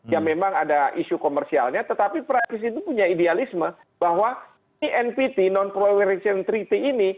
ya memang ada isu komersialnya tetapi perancis itu punya idealisme bahwa ini npt non protection triti ini